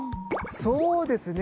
そうですね。